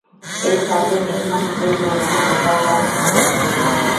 এই সাতদিন একমুহুর্তের জন্যও গোপাল তাহার সঙ্গ ছাড়িল না।